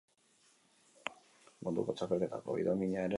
Munduko Txapelketako bi domina ere lortu ditu.